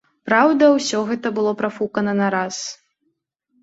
Праўда, усё гэта было прафукана на раз.